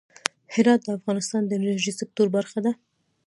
هرات د افغانستان د انرژۍ سکتور برخه ده.